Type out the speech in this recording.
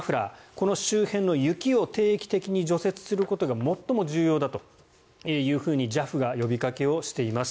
この周辺の雪を定期的に除雪することが最も重要だとＪＡＦが呼びかけをしています。